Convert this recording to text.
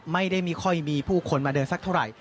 ไม่ค่อยมีผู้คนมาเดินสักเท่าไหร่